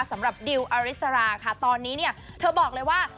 สำหรับดิวอริสราค่ะตอนนี้เนี่ยเธอบอกเลยว่า